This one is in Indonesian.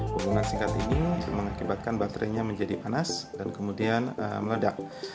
bangunan singkat ini mengakibatkan baterainya menjadi panas dan kemudian meledak